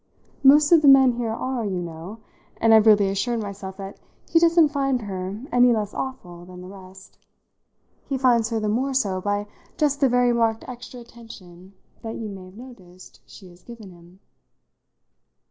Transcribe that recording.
Most of the men here are, you know, and I've really assured myself that he doesn't find her any less awful than the rest. He finds her the more so by just the very marked extra attention that you may have noticed she has given him."